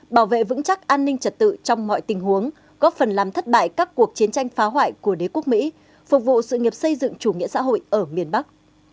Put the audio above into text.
bảo vệ vững chắc an ninh trật tự trong mọi tình huống góp phần làm thất bại các cuộc chiến tranh phá hoại của đế quốc mỹ phục vụ sự nghiệp xây dựng chủ nghĩa xã hội ở miền bắc